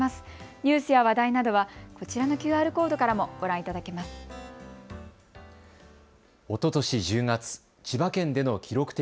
ニュースや話題などは、こちらのＱＲコードからもご覧いただけます。